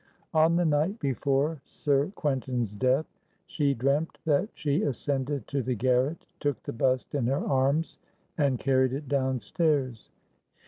On the night before Sir Quentin's death, she dreamt that she ascended to the garret, took the bust in her arms, and carried it downstairs.